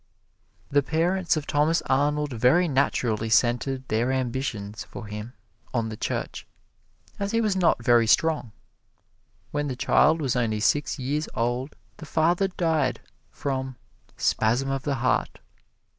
The parents of Thomas Arnold very naturally centered their ambitions for him on the Church, as he was not very strong. When the child was only six years old, the father died from "spasm of the heart."